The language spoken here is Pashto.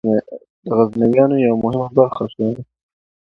د غزنویانو یوه مهمه برخه شوه.